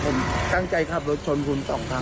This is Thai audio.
ผมตั้งใจขับรถชนคุณสองครั้ง